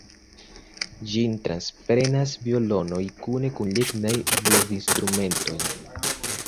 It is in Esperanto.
Ĝin transprenas violonoj kune kun la lignaj blovinstrumentoj.